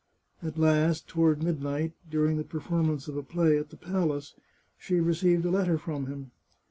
At last, toward midnight, during the performance of a play at the palace, she received a letter from him.